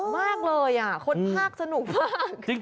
มากเลยคนภาคสนุกมาก